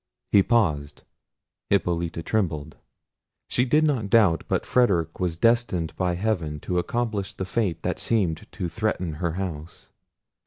He paused. Hippolita trembled. She did not doubt but Frederic was destined by heaven to accomplish the fate that seemed to threaten her house.